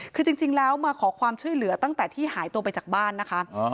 คือจริงแล้วมาขอความช่วยเหลือตั้งแต่ที่หายตัวไปจากบ้านนะคะ